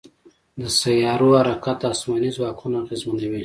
د سیارو حرکت اسماني ځواکونه اغېزمنوي.